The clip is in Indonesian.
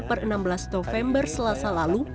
per enam belas november selasa lalu